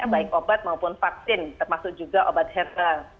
baik obat maupun vaksin termasuk juga obat herbal